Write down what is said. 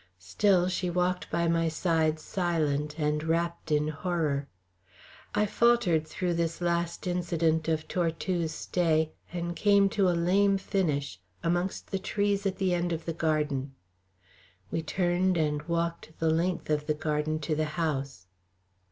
Still she walked by my side silent, and wrapped in horror. I faltered through this last incident of Tortue's stay and came to a lame finish, amongst the trees at the end of the garden. We turned and walked the length of the garden to the house.